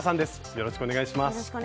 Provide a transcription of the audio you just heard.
よろしくお願いします。